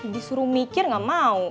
disuruh mikir gak mau